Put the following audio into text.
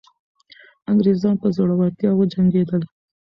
انګریزان په زړورتیا وجنګېدل.